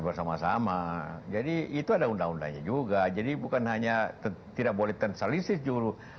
bersama sama jadi itu ada undang undangnya juga jadi bukan hanya tidak boleh tensalisis juruh